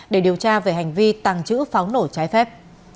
để điều tra về hành vi tàng trữ pháo nổ trái phép